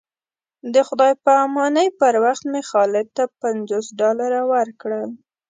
د خدای په امانۍ پر وخت مې خالد ته پنځوس ډالره ورکړل.